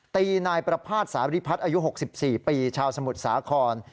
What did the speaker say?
ตีนายประภาษณสาริพัฒน์อายุ๖๔ปีชาวสมุทรสาคร